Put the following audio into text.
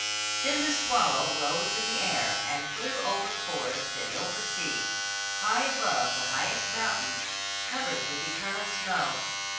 Then the swallow rose in the air, and flew over forest and over sea, high above the highest mountains, covered with eternal snow.